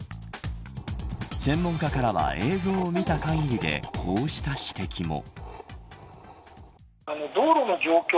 専門家からは映像を見た限りでこうした指摘も。